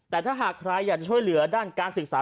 แต่ถ้าหากใครอยากจะช่วยเหลือด้านการศึกษา